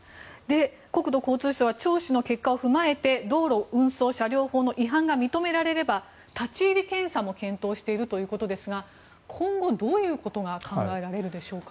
国土交通省は聴取の結果を踏まえて道路運送車両法の違反が認められれば、立ち入り検査も検討しているということですが今後、どういうことが考えられるでしょうか？